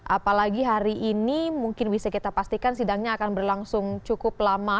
apalagi hari ini mungkin bisa kita pastikan sidangnya akan berlangsung cukup lama